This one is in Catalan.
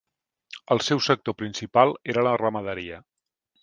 El seu sector principal era la ramaderia.